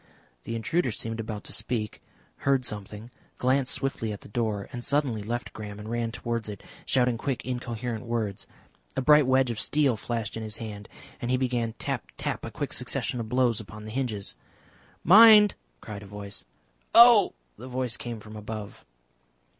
The intruder seemed about to speak, heard something, glanced swiftly at the door, and suddenly left Graham and ran towards it, shouting quick incoherent words. A bright wedge of steel flashed in his hand, and he began tap, tap, a quick succession of blows upon the hinges. "Mind!" cried a voice. "Oh!" The voice came from above.